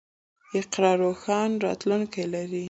اقرا روښانه راتلونکی لري.